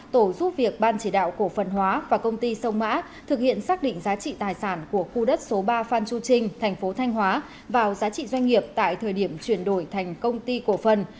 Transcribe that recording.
tổ giúp việc ban chỉ đạo cổ phần hóa và công ty sông mã thực hiện xác định giá trị tài sản của khu đất số ba phan chu trinh thành phố thanh hóa vào giá trị doanh nghiệp tại thời điểm chuyển đổi thành công ty cổ phần